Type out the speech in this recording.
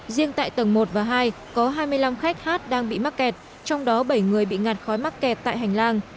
riêng tại tầng một và hai có hai mươi năm khách hát đang bị mắc kẹt trong đó bảy người bị ngạt khói mắc kẹt tại hành lang